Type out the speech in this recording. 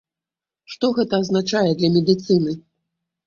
Што гэта азначае для медыцыны?